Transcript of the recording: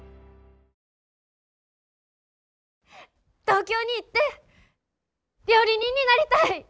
東京に行って料理人になりたい。